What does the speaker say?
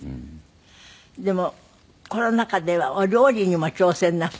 でもコロナ禍ではお料理にも挑戦なすったんですって？